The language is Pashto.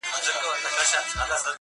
یو په یو به نیسي ګرېوانونه د قاتل قصاب!!